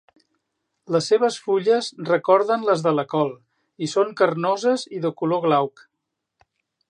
Les seves fulles recorden les de la col i són carnoses i de color glauc.